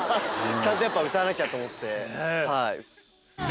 ちゃんとやっぱ歌わなきゃと思って。